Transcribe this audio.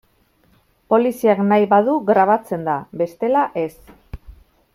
Poliziak nahi badu grabatzen da, bestela ez.